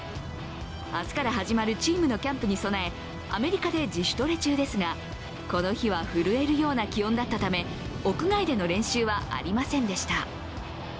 明日から始まるチームのキャンプに備え、アメリカで自主トレ中ですが、この日は震えるような気温だったため、屋外での練習はありませんでした。